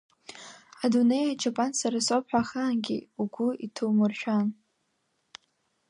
Адунеи аҷапан сара соуп ҳәа ахаангьы угәу иҭоумыршәан.